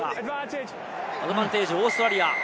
アドバンテージ、オーストラリア。